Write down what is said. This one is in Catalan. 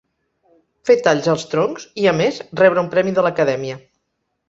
Fer talls als troncs i, a més, rebre un premi de l'Acadèmia.